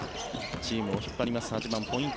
チームを引っ張ります８番、ポイント